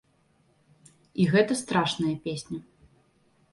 І гэта страшная песня.